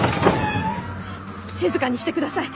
静かにしてください。